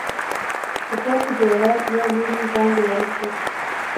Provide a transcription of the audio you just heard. په ښار کې د ولایت له لوري زنګ ووهل شو.